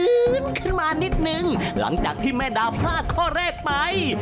ขึ้นมานิดนึงหลังจากที่แม่ดาวพลาดข้อแรกไป